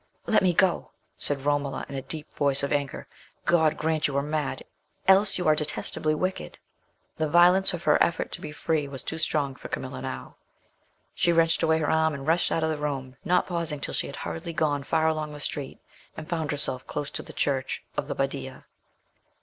"Let me go!" said Romola, in a deep voice of anger. "God grant you are mad! else you are detestably wicked!" The violence of her effort to be free was too strong for Camilla now. She wrenched away her arm and rushed out of the room, not pausing till she had hurriedly gone far along the street, and found herself close to the church of the Badia.